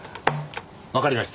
わかりました